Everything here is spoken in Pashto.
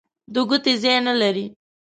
د ګوتې ځای نه لري.